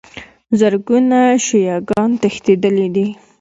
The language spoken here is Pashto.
زرګونو شیعه ګان تښتېدلي دي.